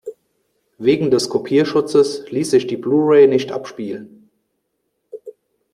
Wegen des Kopierschutzes ließ sich die Blu-ray nicht abspielen.